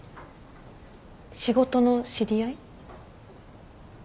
仕事の知り合い？